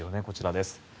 こちらです。